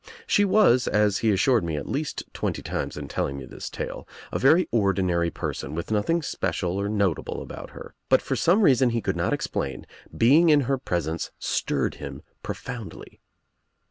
She was, as he assured me at least twenty times in telling me his tale, a very ordinary person with nothing special or notable about her, but for some reason he could not explain, being in her presence stirred him profoundly.